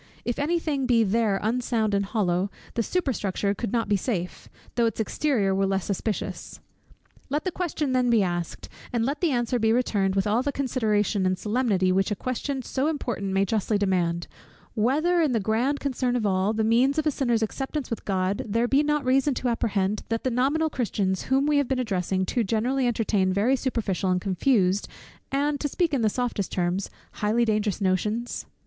If any thing be there unsound and hollow, the superstructure could not be safe, though its exterior were less suspicious. Let the question then be asked, and let the answer be returned with all the consideration and solemnity which a question so important may justly demand, whether, in the grand concern of all, the means of a sinner's acceptance with God, there be not reason to apprehend, that the nominal Christians whom we have been addressing, too generally entertain very superficial, and confused, and (to speak in the softest terms) highly dangerous notions?